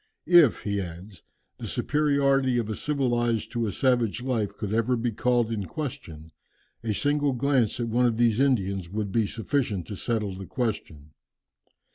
"If," he adds, "the superiority of a civilized to a savage life could ever be called in question, a single glance at one of these Indians would be sufficient to settle the question.